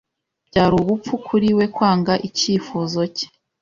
Byari ubupfu kuri we kwanga icyifuzo cye.